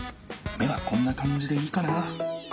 目はこんなかんじでいいかな。